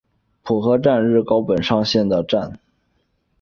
浦河站日高本线上的站。